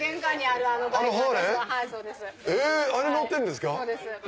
そうです。